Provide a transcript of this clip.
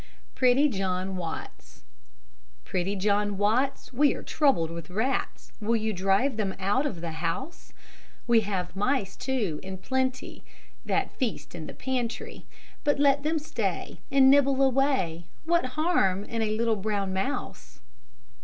PRETTY JOHN WATTS Pretty John Watts, We are troubled with rats. Will you drive them out of the house? We have mice, too, in plenty, That feast in the pantry, But let them stay And nibble away, What harm in a little brown mouse?